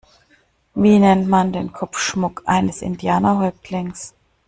Wie nennt man den Kopfschmuck eines Indianer-Häuptlings?